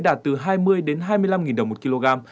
đạt từ hai mươi hai mươi năm đồng một kg